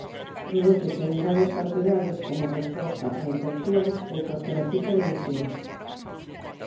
Prodúcese en grandes cantidades como resposta a infeccións ou calquera tipo de lesión.